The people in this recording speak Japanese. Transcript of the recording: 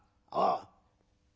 ああ。